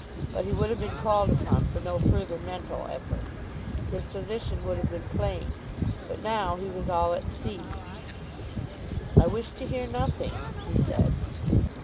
But he would have been called upon for no further mental effort. His position would have been plain. But now he was all at sea. "I wish to hear nothing," he said.